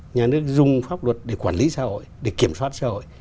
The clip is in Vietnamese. nhà nước dùng pháp luật để quản lý xã hội để kiểm soát xã hội